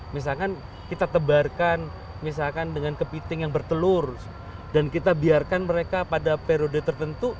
misalkan kita tebarkan misalkan dengan kepiting yang bertelur dan kita biarkan mereka pada periode tertentu